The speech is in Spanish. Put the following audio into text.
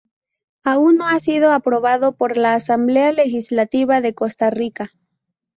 Aún no ha sido aprobado por la Asamblea Legislativa de Costa Rica.